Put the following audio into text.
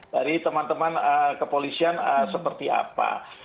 dari teman teman kepolisian seperti apa